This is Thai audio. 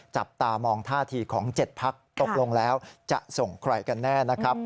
จับตามองท่าทีของ๗พักตกลงแล้วจะส่งใครกันแน่นะครับ